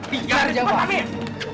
biar dia pak mir